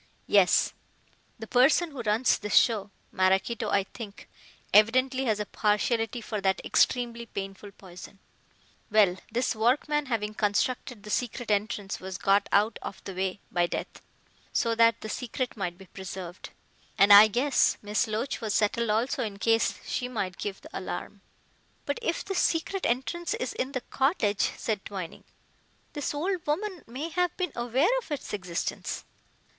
"Yes. The person who runs this show Maraquito, I think evidently has a partiality for that extremely painful poison. Well, this workman having constructed the secret entrance, was got out of the way by death, so that the secret might be preserved. And I guess Miss Loach was settled also in case she might give the alarm." "But if the secret entrance is in the cottage," said Twining, "this old woman may have been aware of its existence."